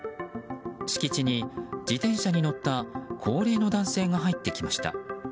敷地に、自転車に乗った高齢の男性が入ってきました。